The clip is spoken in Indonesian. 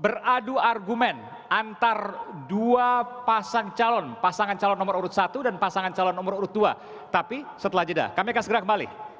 beradu argumen dan ketika kita mengambil kesempatan keadaan kita berpikir bahwa keadaan ini tidak akan berhasil menjengkelkan kembali ke keadaan kita dan kita bisa mencari kesempatan kemudian kita bisa mengambil kesempatan kemudian kita dapat mencari kesempatan kembali